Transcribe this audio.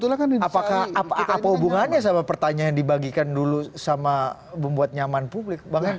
apakah apa hubungannya sama pertanyaan yang dibagikan dulu sama membuat nyaman publik